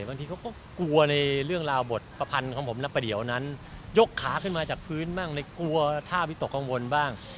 บางทีเขาก็กลัวในเรื่องราวบทประพันธ์ของผมและประเดี๋ยวนั้นยกขาขึ้นมาจากพื้นบ้างเลยกลัวท่าวิตกกังวลบ้าง